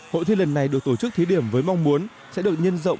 hội thi lần này được tổ chức thí điểm với mong muốn sẽ được nhân rộng